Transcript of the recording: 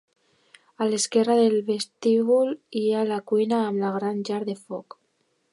A l'esquerra del vestíbul hi ha la cuina amb una gran llar de foc.